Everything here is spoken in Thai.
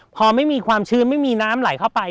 พอไม่มีความชื้นไม่มีน้ำไหลเข้าไป